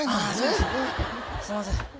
すいません。